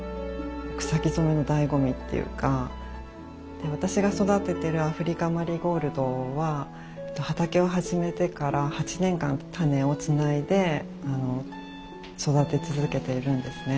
で私が育ててるアフリカンマリーゴールドは畑を始めてから８年間種をつないで育て続けているんですね。